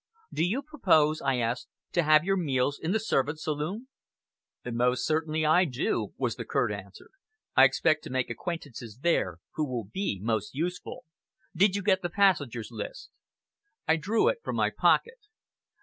"Do you propose," I asked, "to have your meals in the servants' saloon?" "Most certainly I do," was the curt answer. "I expect to make acquaintances there who will be most useful. Did you get the passengers' list?" I drew it from my pocket.